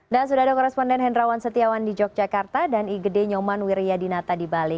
nah sudah ada koresponden hendrawan setiawan di yogyakarta dan igd nyoman wiryadinata di bali